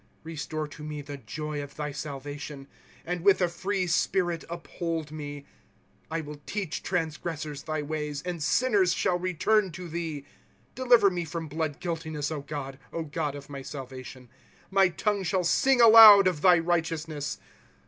12 Restore to me the joy of thy salvation, And with a free spirit uphold me. ^^ I will teach transgressors thy ways, And sinners shall return to thee. " Deliver me from blood guiltiness, God, God of my salvation ; My tongue shall sing aloud of thy righteousness.